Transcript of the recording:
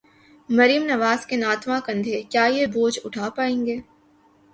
مریم نواز کے ناتواں کندھے، کیا یہ بوجھ اٹھا پائیں گے؟